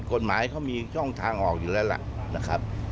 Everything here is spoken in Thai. กฎหมายเขามีช่องทางออกอยู่แล้วล่ะนะครับ